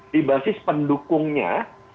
di basis pendukungnya